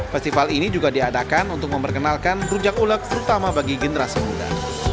festival ini juga diadakan untuk memperkenalkan rujak ulek terutama bagi generasi muda